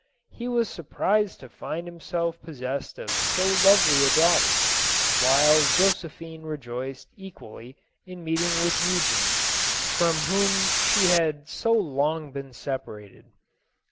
He was surprised to find himself possessed of so lovely a daughter, while Josephine rejoiced equally in meet ing with Eugene, from whom she had long so been separated.